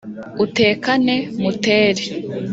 Utekane , Muteri*